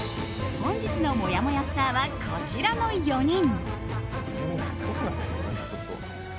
本日のもやもやスターはこちらの４人。